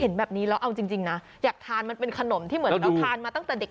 เนี่ยมาอยากทานมันจะคุณทานมาตั้งแต่เด็ก